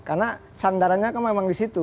karena sandarannya kan memang di situ